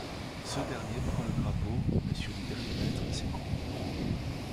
Ce dernier prend le drapeau mais sur les derniers mètres s'écroule.